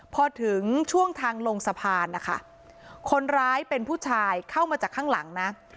พอถึงช่วงทางลงสะพานนะคะคนร้ายเป็นผู้ชายเข้ามาจากข้างหลังนะ